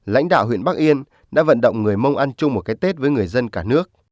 lãnh đạo huyện bắc yên đã vận động người mông ăn chung một cái tết với người dân cả nước